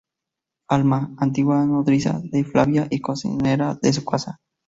Alma: Antigua nodriza de Flavia y cocinera de su casa.